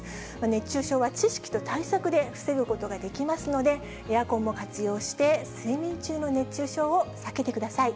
熱中症は知識と対策で防ぐことができますので、エアコンも活用して、睡眠中の熱中症を避けてください。